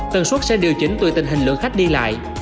tần suất sẽ điều chỉnh tùy tình hình lượng khách đi lại